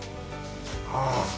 ああ。